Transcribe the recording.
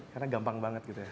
karena gampang banget gitu ya